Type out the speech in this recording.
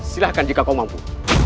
silahkan jika kau mampu